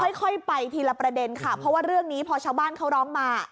ค่อยไปทีละประเด็นค่ะเพราะว่าเรื่องนี้พอชาวบ้านเขาร้องมา